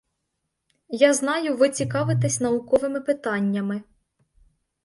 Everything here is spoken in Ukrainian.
Я знаю, ви цікавитесь науковими питаннями.